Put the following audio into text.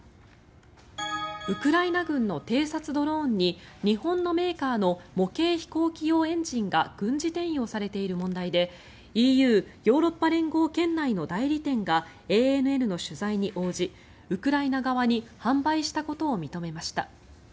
ウクライナ軍の偵察ドローンに日本のメーカーの模型飛行機用エンジンが軍事転用されている問題でＥＵ・ヨーロッパ連合圏内の代理店がＡＮＮの取材に応じウクライナ側に販売したことを認めました。